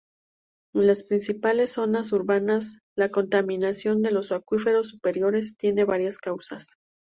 En las principales zonas urbanas la contaminación de los acuíferos superiores tiene varias causas.